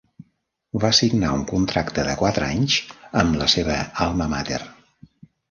Va signar un contracte de quatre anys amb la seva alma mater.